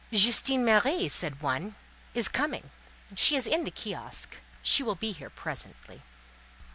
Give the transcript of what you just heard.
"Justine Marie," said one, "is coming; she is in the kiosk; she will be here presently."